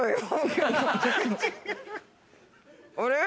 あれ？